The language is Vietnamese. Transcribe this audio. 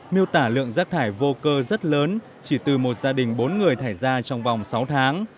miêu tả lượng rác thải vô cơ rất lớn chỉ từ một gia đình bốn người thải ra trong vòng sáu tháng